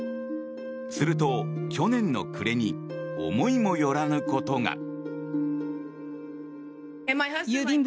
すると去年の暮れに思いもよらぬことが。